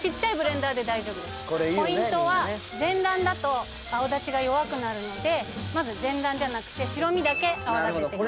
ポイントは全卵だと泡立ちが弱くなるのでまず全卵じゃなくて白身だけ泡立ててください